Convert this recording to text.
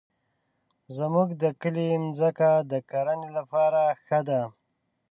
زمونږ د کلي مځکه د کرنې لپاره ښه ده.